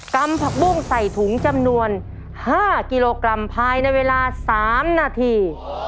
ำผักบุ้งใส่ถุงจำนวน๕กิโลกรัมภายในเวลา๓นาที